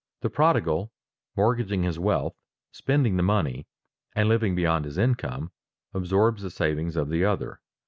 The prodigal mortgaging his wealth, spending the money, and living beyond his income, absorbs the savings of the other.